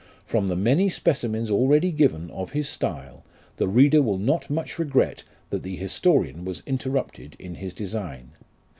From the many specimens already given of his style, the reader will not much regret that the historian was interrupted in his design.